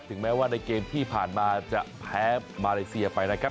แม้ว่าในเกมที่ผ่านมาจะแพ้มาเลเซียไปนะครับ